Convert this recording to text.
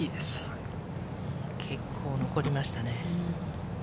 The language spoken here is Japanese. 結構残りましたね。